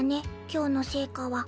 今日の成果は。